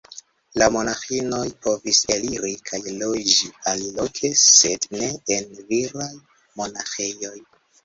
La monaĥinoj povis eliri kaj loĝi aliloke, sed ne en viraj monaĥejoj.